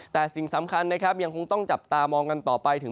แต่สิ่งสำคัญยังคงต้องจับตามองกันต่อไป